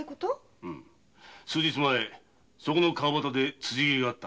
数日前そこの川端で辻斬りがあった。